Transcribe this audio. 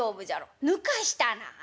「ぬかしたなあ。